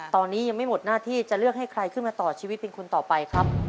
ตอนนี้ยังไม่หมดหน้าที่จะเลือกให้ใครขึ้นมาต่อชีวิตเป็นคนต่อไปครับ